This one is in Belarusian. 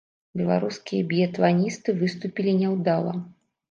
Беларускія біятланісты выступілі няўдала.